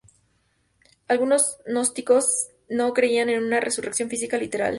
Algunos gnósticos no creían en una resurrección física literal.